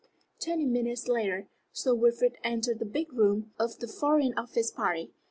Twenty minutes later, Sir Wilfrid entered the first big room of the Foreign Office party.